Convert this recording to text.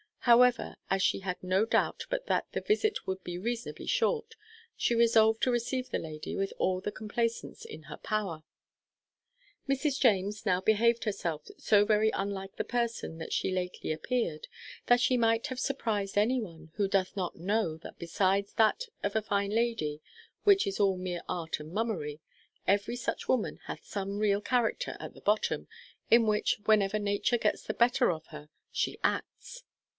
However, as she had no doubt but that the visit would be reasonably short, she resolved to receive the lady with all the complaisance in her power. Mrs. James now behaved herself so very unlike the person that she lately appeared, that it might have surprized any one who doth not know that besides that of a fine lady, which is all mere art and mummery, every such woman hath some real character at the bottom, in which, whenever nature gets the better of her, she acts.